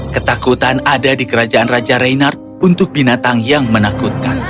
ketakutan ada di kerajaan raja reynard untuk binatang yang menakutkan